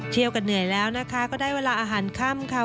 กันเหนื่อยแล้วนะคะก็ได้เวลาอาหารค่ำค่ะ